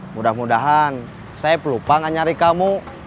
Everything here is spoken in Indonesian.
mudah mudahan saya pelupa nggak nyari kamu